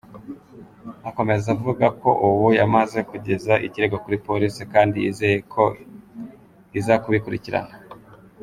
Akomeza avuga ko ubu yamaze kugeza ikirego kuri polisi kandi yizeye ko iza kubikurikirana.